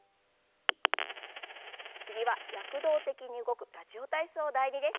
次は躍動的に動く「ラジオ体操第２」です。